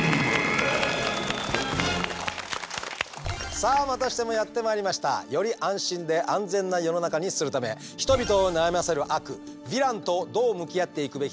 さあまたしてもやって参りましたより安心で安全な世の中にするため人々を悩ませる悪ヴィランとどう向き合っていくべきか。